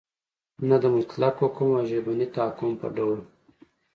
نه د مطلق حکم او ژبني تحکم په ډول